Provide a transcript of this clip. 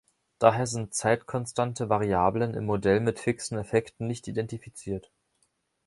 Daher sind zeitkonstante Variablen im Modell mit fixen Effekten nicht identifiziert.